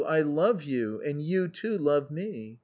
I love you, and you, too, love me!